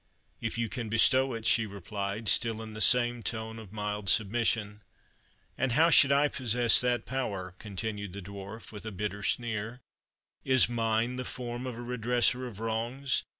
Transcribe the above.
"If you can bestow it," she replied, still in the same tone of mild submission. "And how should I possess that power?" continued the Dwarf, with a bitter sneer; "Is mine the form of a redresser of wrongs?